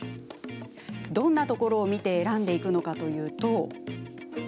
どんなところを見て選んでいくのかというと。